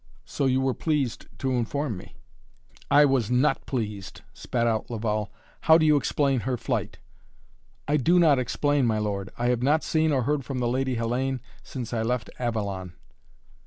"So you were pleased to inform me." "I was not pleased," spat out Laval. "How do you explain her flight?" "I do not explain, my lord. I have not seen or heard from the Lady Hellayne since I left Avalon."